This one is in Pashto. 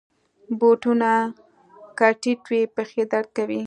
بوټونه که ټیټ وي، پښې درد کوي.